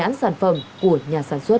bán sản phẩm của nhà sản xuất